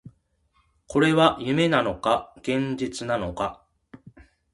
これは夢なのか、現実なのか